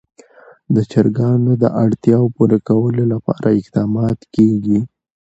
د چرګانو د اړتیاوو پوره کولو لپاره اقدامات کېږي.